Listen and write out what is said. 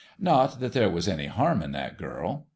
Not that there was any harm in that girl.